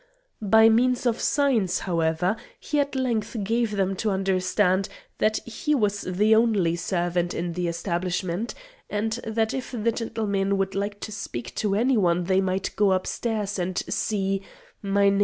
By means of signs, however, he at length gave them to understand that he was the only servant in the establishment, and that if the gentlemen would like to speak to any one they might go upstairs and see "Mynheer."